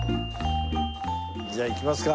じゃあ行きますか。